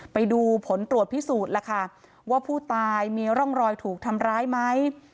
ไปดูผลตรวจพิสูจน์ล่ะค่ะว่าผู้ตายมีร่องรอยถูกทำร้ายไหม